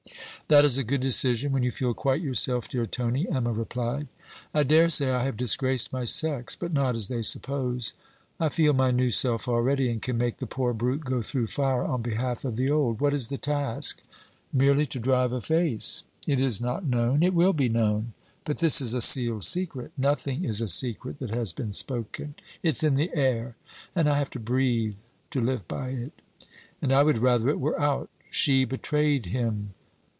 'That is a good decision when you feel quite yourself, dear Tony,' Emma replied. 'I dare say I have disgraced my sex, but not as they suppose. I feel my new self already, and can make the poor brute go through fire on behalf of the old. What is the task? merely to drive a face!' 'It is not known.' 'It will be known.' 'But this is a sealed secret.' 'Nothing is a secret that has been spoken. It 's in the air, and I have to breathe to live by it. And I would rather it were out. "She betrayed him."